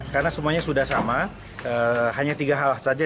karena semuanya sudah sama hanya tiga hal saja